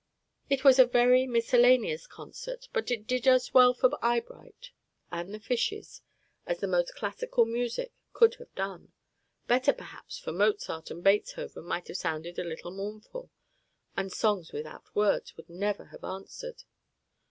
It was a very miscellaneous concert, but did as well for Eyebright and the fishes as the most classical music could have done; better, perhaps, for Mozart and Beethoven might have sounded a little mournful, and "songs without words" would never have answered.